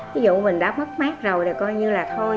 ví dụ mình đã mất mát rồi thì coi như là thôi